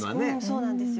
そうなんですよ。